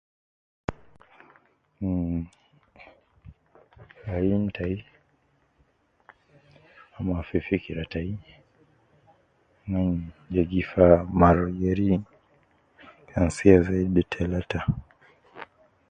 Mh,ayin tai ama fi fikira tai mh,de gi fa mar geri kan sia zaidi talata